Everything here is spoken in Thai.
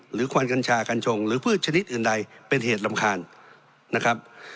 ควันกัญชากัญชงหรือพืชชนิดอื่นใดเป็นเหตุรำคาญนะครับ